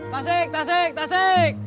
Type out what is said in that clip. tasik tasik tasik